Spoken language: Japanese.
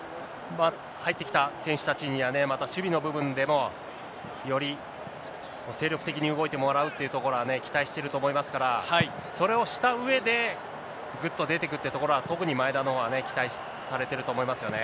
入ってきた選手たちにはね、また守備の部分でも、より精力的に動いてもらうってところはね、期待してると思いますから、それをしたうえで、ぐっと出てくってところは、特に前田のほうはね、期待されてると思いますよね。